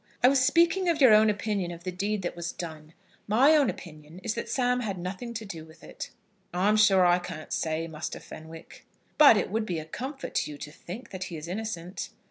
"I was speaking of your own opinion of the deed that was done. My own opinion is that Sam had nothing to do with it." "I'm sure I can't say, Muster Fenwick." "But it would be a comfort to you to think that he is innocent."